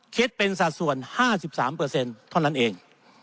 คิดเป็นสัดส่วน๕๓เท่านั้นเอง